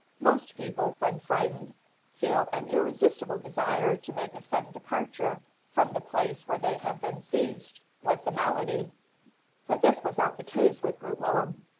Most people, when frightened, feel an irresistible desire to make a sudden departure from the place where they have been seized with the malady; but this was not the case with Groot Willem.